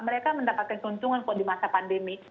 mereka mendapatkan keuntungan kok di masa pandemi